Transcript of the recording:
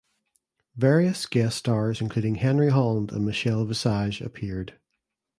Various guest stars including Henry Holland and Michelle Visage appeared.